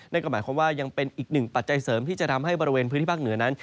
นั่นก็หมายความว่ายังเป็นอีกหนึ่งปัจจัยเสริมที่จะทำให้บริเวณพื้นที่ภาคเหนือนั้น